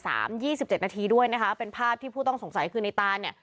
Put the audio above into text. ตั้ง๒๗นาทีด้วยนะคะเป็นภาพที่ผู้ต้องสงสัยคือในตาน